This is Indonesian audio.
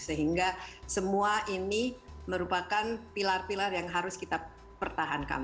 sehingga semua ini merupakan pilar pilar yang harus kita pertahankan